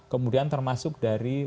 kemudian termasuk dari